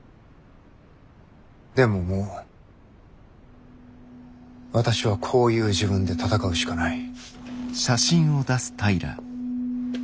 でももう私はこういう自分で戦うしかない。